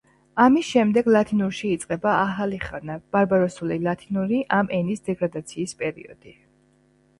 ამის შემდეგ ლათინურში იწყება ახალი ხანა „ბარბაროსული ლათინური“, ამ ენის დეგრადაციის პერიოდი.